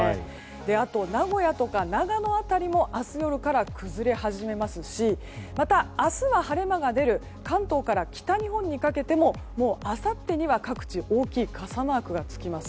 あと、名古屋とか長野辺りも明日夜から崩れ始めますしまた、明日は晴れ間が出る関東から北日本にかけてもあさってには、各地大きい傘マークが付きます。